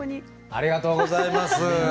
ありがとうございます。